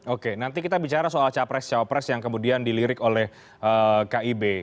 oke nanti kita bicara soal jawab pres jawab pres yang kemudian dilirik oleh kib